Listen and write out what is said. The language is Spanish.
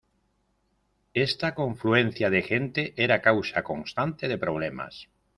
Esta confluencia de gente era causa constante de problemas.